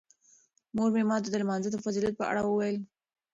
مور مې ماته د لمانځه د فضیلت په اړه وویل.